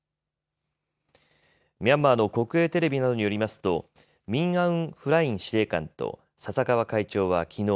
ミャンマーの国営テレビなどによりますとミン・アウン・フライン司令官と笹川会長はきのう